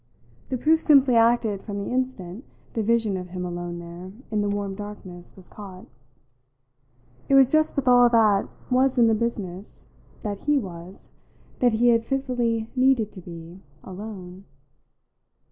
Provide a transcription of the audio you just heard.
The proof simply acted from the instant the vision of him alone there in the warm darkness was caught. It was just with all that was in the business that he was, that he had fitfully needed to be, alone.